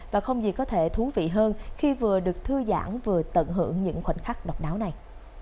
và không gì có thể thú vị hơn khi vừa được thư giãn vừa tận hưởng những khoảnh khắc độc đáo này